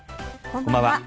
こんばんは。